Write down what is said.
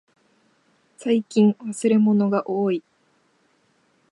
最近忘れ物がおおい。